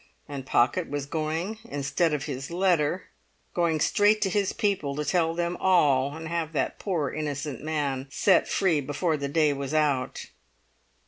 And Pocket was going instead of his letter—going straight to his people to tell them all, and have that poor innocent man set free before the day was out.